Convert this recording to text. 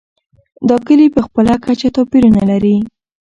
دا کلي په خپله کچه توپیرونه لري.